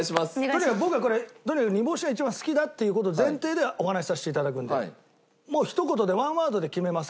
とにかく僕はこれ煮干しが一番好きだという事前提でお話しさせて頂くんで。もうひと言でワンワードで決めますから。